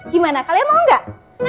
gimana kalian mau gak